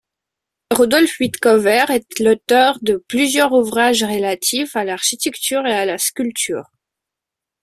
Rudolf Wittkower est l'auteur de plusieurs ouvrages relatifs à l'architecture et à la sculpture.